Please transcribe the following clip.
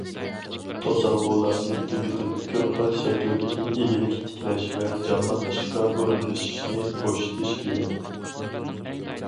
توسالغۇلارنى تۈگىتىپ، كۆپ خىل شەكىلدىكى ئىگىلىك تىكلەش ۋە جانلىق ئىشقا ئورۇنلىشىشنى بوشىتىش كېرەك.